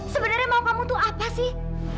sebenarnya mau kamu tuh apa sih